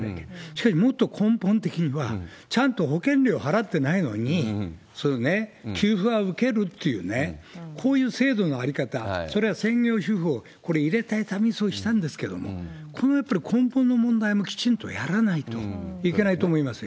しかし、もっと根本的には、ちゃんと保険料を払ってないのに、給付は受けるっていうね、こういう制度の在り方、それは専業主婦を、これ入れたいためにそうしたんですけれども、これはやっぱり根本の問題もきちんとやらないと、いけないと思いますよ。